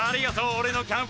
俺のキャンパス。